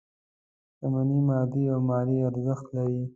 شتمني مادي او مالي ارزښت لري.